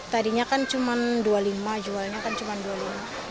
tadinya kan cuma rp dua puluh lima jualnya kan cuma rp dua puluh lima